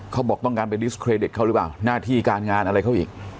เขาบอกต้องการไปดิสเครดิตเขาหรือเปล่าหน้าที่การงานอะไรเขาอีก